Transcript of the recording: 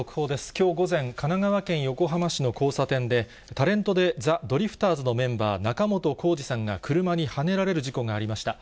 きょう午前、神奈川県横浜市の交差点で、タレントでザ・ドリフターズのメンバー、仲本工事さんが車にはねられる事故がありました。